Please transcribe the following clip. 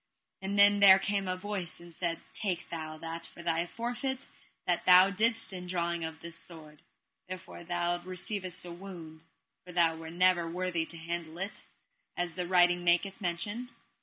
And then there came a voice and said: Take thou that for thy forfeit that thou didst in drawing of this sword, therefore thou receivest a wound, for thou were never worthy to handle it, as the writing maketh mention.